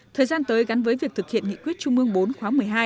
thời gian tới gắn với việc thực hiện nghị quyết trung ương bốn khóa một mươi hai